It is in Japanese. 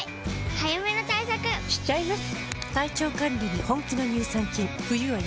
早めの対策しちゃいます。